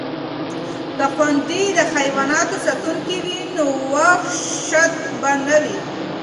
که خویندې د حیواناتو ساتونکې وي نو وحشت به نه وي.